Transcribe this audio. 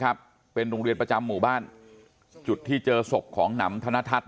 ครับเป็นโรงเรียนประจำหมู่บ้านจุดที่เจอศพของหนำธนทัศน